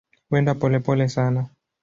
Huenda polepole sana.